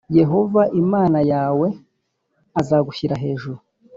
yehova imana yawe azagushyira hejuru